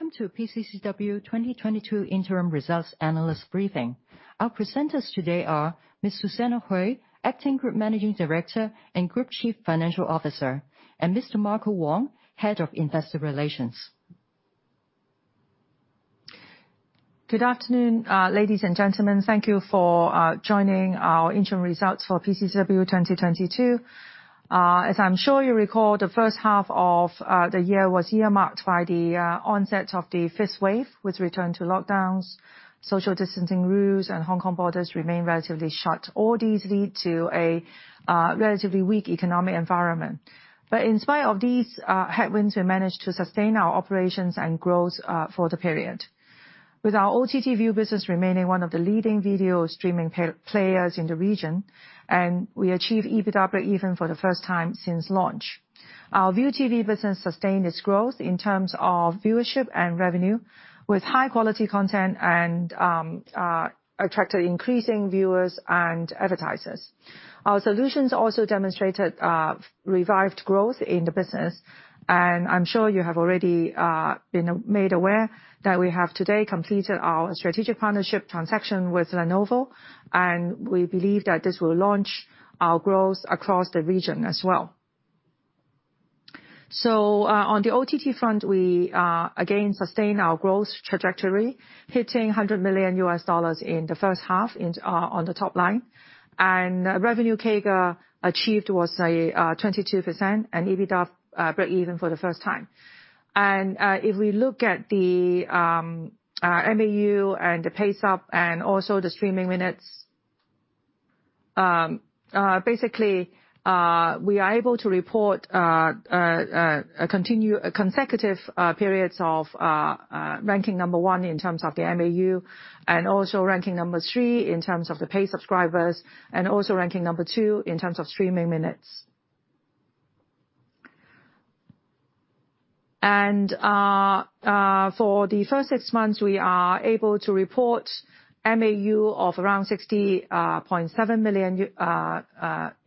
Welcome to PCCW 2022 interim results analyst briefing. Our presenters today are Ms. Susanna Hui, Acting Group Managing Director and Group Chief Financial Officer, and Mr. Marco Wong, Head of Investor Relations. Good afternoon, ladies and gentlemen. Thank you for joining our interim results for PCCW 2022. As I'm sure you recall, the first half of the year was earmarked by the onset of the fifth wave, with return to lockdowns, social distancing rules, and Hong Kong borders remain relatively shut. All these lead to a relatively weak economic environment. In spite of these headwinds, we managed to sustain our operations and growth for the period. With our OTT Viu business remaining one of the leading video streaming players in the region, and we achieved EBITDA breakeven for the first time since launch. Our ViuTV business sustained its growth in terms of viewership and revenue, with high-quality content and attracted increasing viewers and advertisers. Our solutions also demonstrated revived growth in the business, and I'm sure you have already been made aware that we have today completed our strategic partnership transaction with Lenovo, and we believe that this will launch our growth across the region as well. On the OTT front, we again sustained our growth trajectory, hitting $100 million in the first half on the top line. Revenue CAGR achieved was 22%, and EBITDA breakeven for the first time. If we look at the MAU and the paid sub and also the streaming minutes, basically, we are able to report consecutive periods of ranking number one in terms of the MAU, and also ranking number three in terms of the paid subscribers, and also ranking number two in terms of streaming minutes. For the first six months, we are able to report MAU of around 60.7 million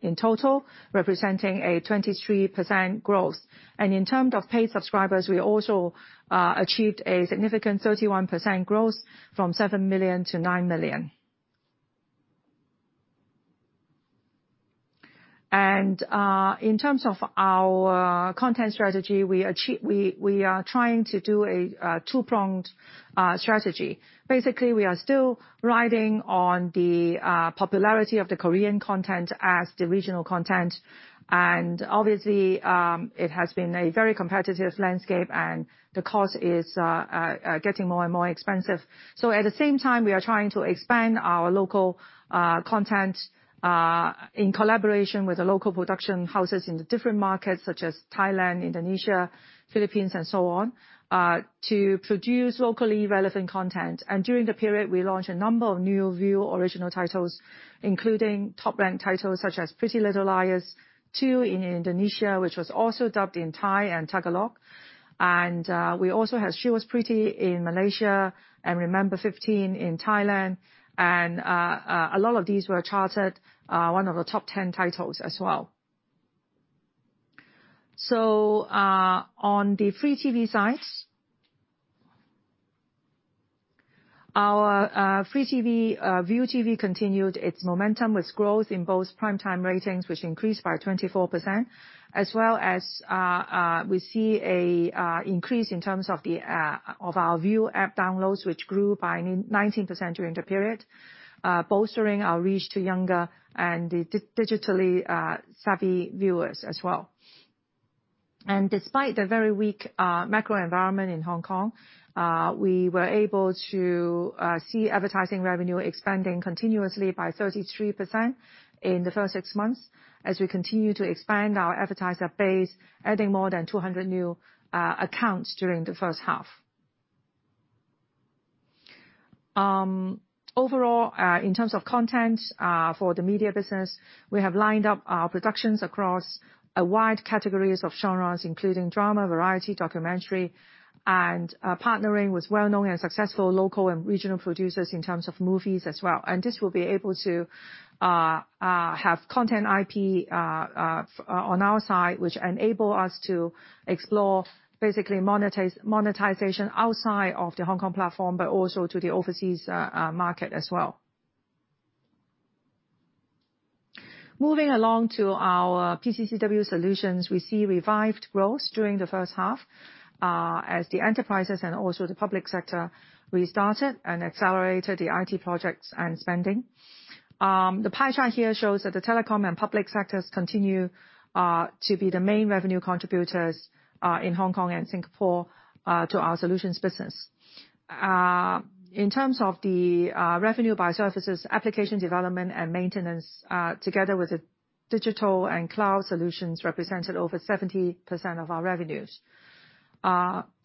in total, representing a 23% growth. In terms of paid subscribers, we also achieved a significant 31% growth from seven million to nine million. In terms of our content strategy, we are trying to do a two-pronged strategy. Basically, we are still riding on the popularity of the Korean content as the regional content and obviously, it has been a very competitive landscape, and the cost is getting more and more expensive. At the same time, we are trying to expand our local content in collaboration with the local production houses in the different markets such as Thailand, Indonesia, Philippines, and so on to produce locally relevant content. During the period, we launched a number of new Viu Original titles, including top brand titles such as Pretty Little Liars 2 in Indonesia, which was also dubbed in Thai and Tagalog. We also had She Was Pretty in Malaysia and Remember 15 in Thailand and a lot of these were charted, one of the top ten titles as well. On the free TV side, our free TV, ViuTV continued its momentum with growth in both primetime ratings, which increased by 24%, as well as we see an increase in terms of our Viu app downloads, which grew by 19% during the period, bolstering our reach to younger and digitally savvy viewers as well. Despite the very weak macro environment in Hong Kong, we were able to see advertising revenue expanding continuously by 33% in the first six months as we continue to expand our advertiser base, adding more than 200 new accounts during the first half. Overall, in terms of content, for the media business, we have lined up our productions across a wide categories of genres, including drama, variety, documentary, and partnering with well-known and successful local and regional producers in terms of movies as well. This will be able to have content IP on our side, which enable us to explore, basically, monetization outside of the Hong Kong platform, but also to the overseas market as well. Moving along to our PCCW Solutions, we see revived growth during the first half, as the enterprises and also the public sector restarted and accelerated the IT projects and spending. The pie chart here shows that the telecom and public sectors continue to be the main revenue contributors in Hong Kong and Singapore to our solutions business. In terms of the revenue by services, application development and maintenance, together with the digital and cloud solutions, represented over 70% of our revenues.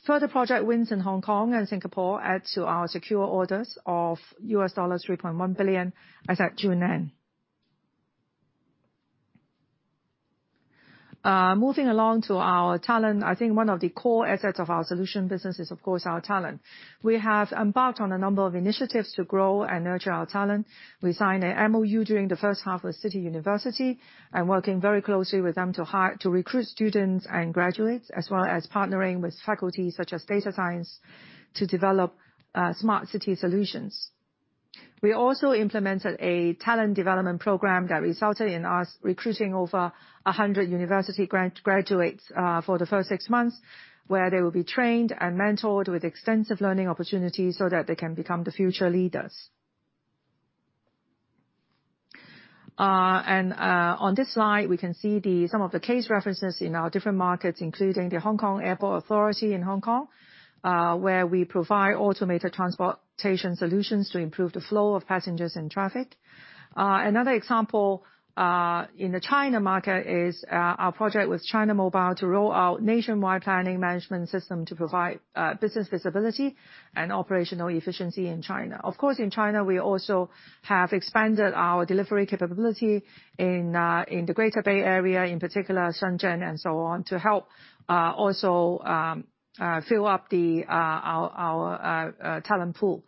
Further project wins in Hong Kong and Singapore add to our secure orders of $3.1 billion as at June end. Moving along to our talent, I think one of the core assets of our solution business is, of course, our talent. We have embarked on a number of initiatives to grow and nurture our talent. We signed a MOU during the first half with City University of Hong Kong and working very closely with them to recruit students and graduates, as well as partnering with faculty such as data science to develop smart city solutions. We also implemented a talent development program that resulted in us recruiting over 100 university graduates for the first six months, where they will be trained and mentored with extensive learning opportunities so that they can become the future leaders. On this slide, we can see some of the case references in our different markets including the Airport Authority Hong Kong in Hong Kong, where we provide automated transportation solutions to improve the flow of passengers and traffic. Another example in the China market is our project with China Mobile to roll out nationwide planning management system to provide business visibility and operational efficiency in China. Of course, in China, we also have expanded our delivery capability in the Greater Bay Area, in particular Shenzhen and so on, to help also fill up our talent pool.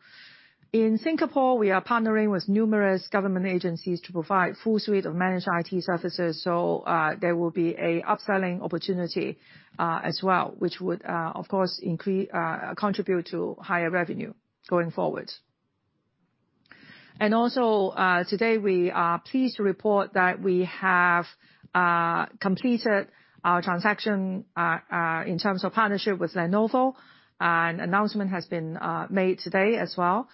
In Singapore, we are partnering with numerous government agencies to provide full suite of managed IT services. There will be an upselling opportunity as well, which would of course contribute to higher revenue going forward. Today we are pleased to report that we have completed our transaction in terms of partnership with Lenovo. An announcement has been made today as well.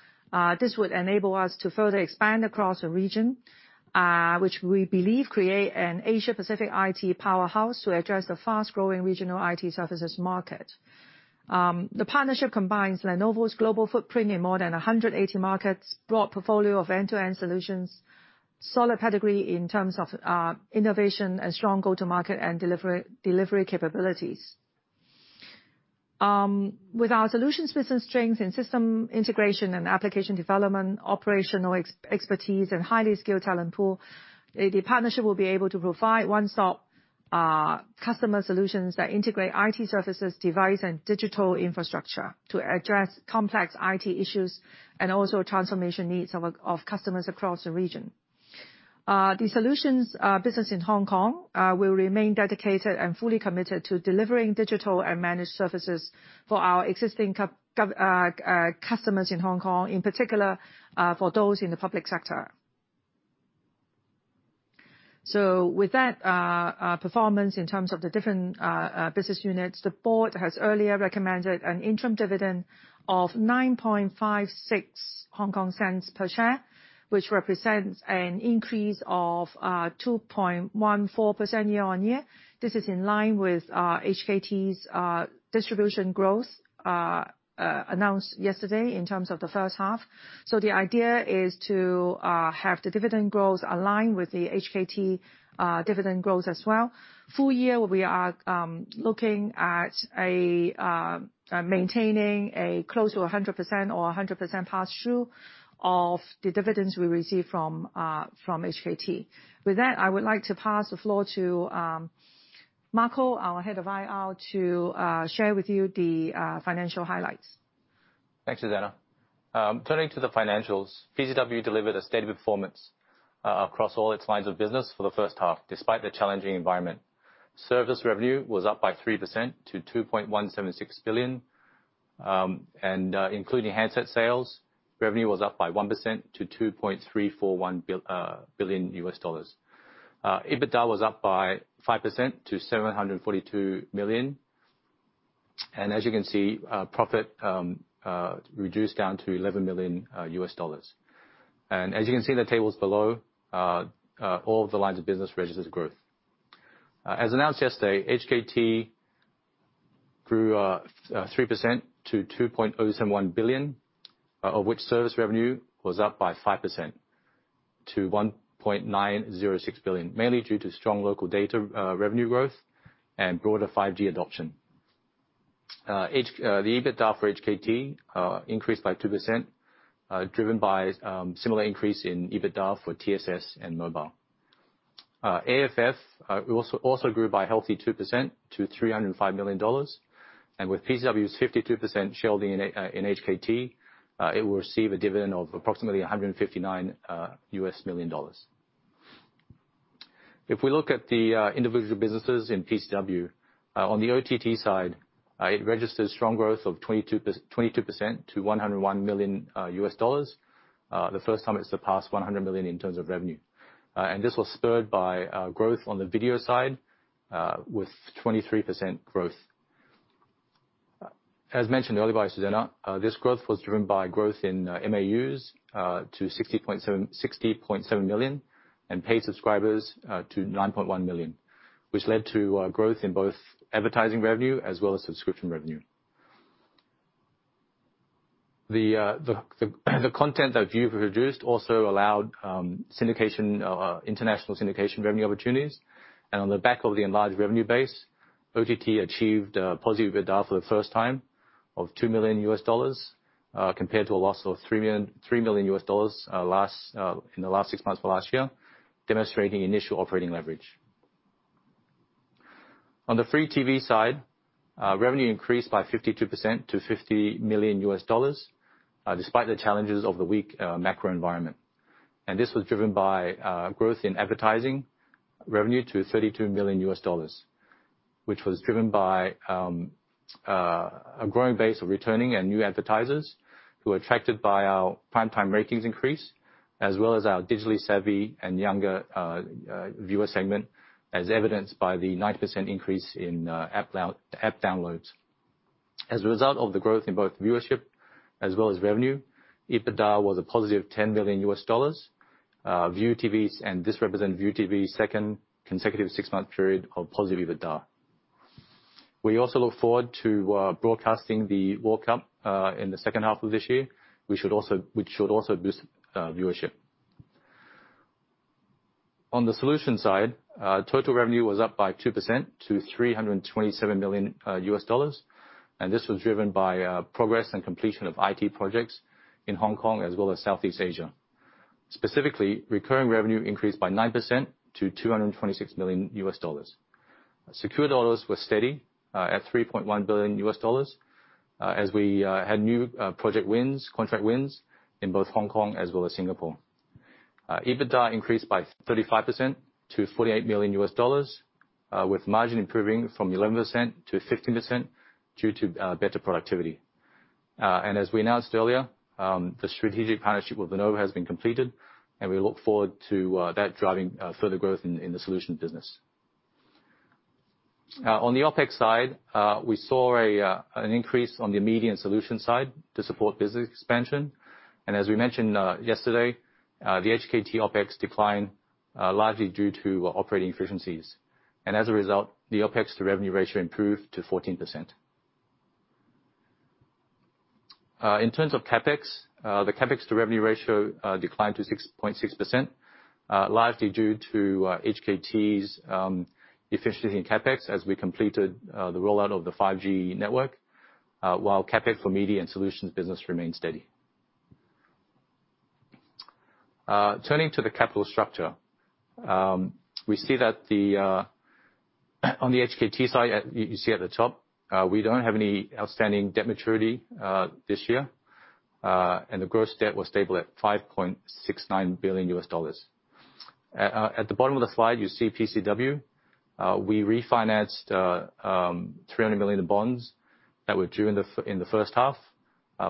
This would enable us to further expand across the region, which we believe create an Asia-Pacific IT powerhouse to address the fast-growing regional IT services market. The partnership combines Lenovo's global footprint in more than 180 markets, broad portfolio of end-to-end solutions, solid pedigree in terms of innovation and strong go-to-market and delivery capabilities. With our solutions business strength in system integration and application development, operational expertise, and highly skilled talent pool, the partnership will be able to provide one-stop customer solutions that integrate IT services, device, and digital infrastructure to address complex IT issues and also transformation needs of customers across the region. The solutions business in Hong Kong will remain dedicated and fully committed to delivering digital and managed services for our existing customers in Hong Kong, in particular, for those in the public sector. With that, performance in terms of the different business units, the board has earlier recommended an interim dividend of 0.0956 per share, which represents an increase of 2.14% year-on-year. This is in line with HKT's distribution growth announced yesterday in terms of the first half. The idea is to have the dividend growth align with the HKT dividend growth as well. Full year, we are looking at maintaining a close to 100% or 100% pass-through of the dividends we receive from HKT. With that, I would like to pass the floor to Marco Wong, our Head of IR, to share with you the financial highlights. Thanks, Susanna. Turning to the financials, PCCW delivered a steady performance across all its lines of business for the first half despite the challenging environment. Service revenue was up by 3% to 2.176 billion. Including handset sales, revenue was up by 1% to $2.341 billion. EBITDA was up by 5% to 742 million. As you can see, profit reduced down to $11 million. As you can see in the tables below, all the lines of business registered growth. As announced yesterday, HKT grew 3% to 2.071 billion, of which service revenue was up by 5% to 1.906 billion, mainly due to strong local data revenue growth and broader 5G adoption. The EBITDA for HKT increased by 2%, driven by similar increase in EBITDA for TSS and mobile. AFF also grew by a healthy 2% to 305 million dollars. With PCCW's 52% shareholding in HKT, it will receive a dividend of approximately $159 million. If we look at the individual businesses in PCCW, on the OTT side, it registered strong growth of 22% to $101 million. The first time it's surpassed HK$100 million in terms of revenue. This was spurred by growth on the video side with 23% growth. As mentioned earlier by Susanna, this growth was driven by growth in MAUs to 60.7 million, and paid subscribers to 9.1 million, which led to growth in both advertising revenue as well as subscription revenue. The content that Viu produced also allowed international syndication revenue opportunities. On the back of the enlarged revenue base, OTT achieved positive EBITDA for the first time of $2 million, compared to a loss of $3 million in the last six months of last year, demonstrating initial operating leverage. On the free TV side, revenue increased by 52% to $50 million, despite the challenges of the weak macro environment. This was driven by growth in advertising revenue to $32 million, which was driven by a growing base of returning and new advertisers who are attracted by our primetime ratings increase, as well as our digitally savvy and younger viewer segment, as evidenced by the 9% increase in app downloads. As a result of the growth in both viewership as well as revenue, EBITDA was a positive $10 million. This represents ViuTV's second consecutive six-month period of positive EBITDA. We also look forward to broadcasting the World Cup in the second half of this year, which should also boost viewership. On the solutions side, total revenue was up by 2% to $327 million, and this was driven by progress and completion of IT projects in Hong Kong as well as Southeast Asia. Specifically, recurring revenue increased by 9% to $226 million. Secured dollars were steady at $3.1 billion, as we had new project wins, contract wins in both Hong Kong as well as Singapore. EBITDA increased by 35% to $48 million, with margin improving from 11% to 15% due to better productivity. As we announced earlier, the strategic partnership with Lenovo has been completed, and we look forward to that driving further growth in the solution business. On the OpEx side, we saw an increase on the IT solutions side to support business expansion. As we mentioned yesterday, the HKT OpEx declined largely due to operating efficiencies. As a result, the OpEx-to-revenue ratio improved to 14%. In terms of CapEx, the CapEx-to-revenue ratio declined to 6.6%, largely due to HKT's efficiency in CapEx as we completed the rollout of the 5G network, while CapEx for media and solutions business remained steady. Turning to the capital structure, we see that on the HKT side, you can see at the top, we don't have any outstanding debt maturity this year, and the gross debt was stable at $5.69 billion. At the bottom of the slide, you see PCCW. We refinanced 300 million in bonds that were due in the first half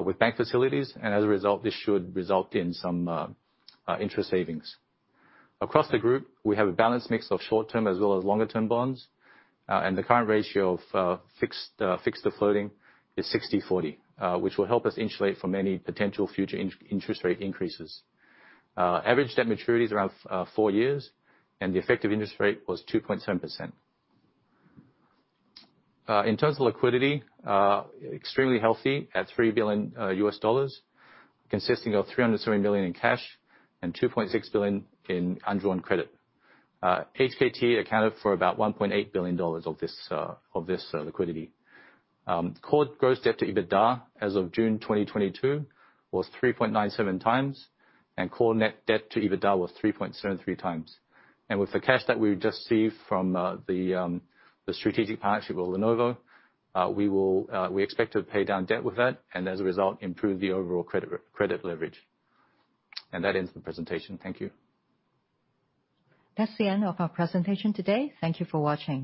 with bank facilities, and as a result, this should result in some interest savings. Across the group, we have a balanced mix of short-term as well as longer-term bonds, and the current ratio of fixed to floating is 60/40, which will help us insulate from any potential future interest rate increases. Average debt maturity is around four years, and the effective interest rate was 2.7%. In terms of liquidity, extremely healthy at $3 billion, consisting of $307 million in cash and $2.6 billion in undrawn credit. HKT accounted for about 1.8 billion dollars of this liquidity. Core gross debt to EBITDA as of June 2022 was 3.97x, and core net debt to EBITDA was 3.73x. With the cash that we've just received from the strategic partnership with Lenovo, we expect to pay down debt with that, and as a result, improve the overall credit leverage. That ends the presentation. Thank you. That's the end of our presentation today. Thank you for watching.